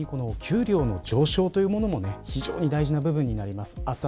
確かに給料の上昇というもの非常に大事な部分になります。